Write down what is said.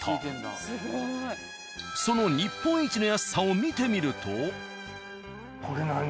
その日本一の安さを見てみると。